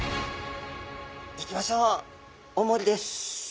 いきましょうおもりです。